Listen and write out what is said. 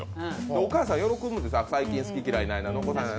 お母さんは喜ぶんです、最近、好き嫌いがないなって。